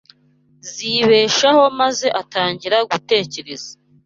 zibeshaho maze atangira gutekereza